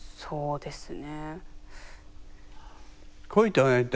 そうですね。